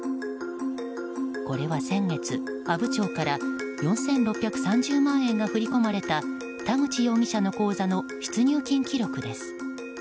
これは先月、阿武町から４６３０万円が振り込まれた田口容疑者の口座の出入金記録です。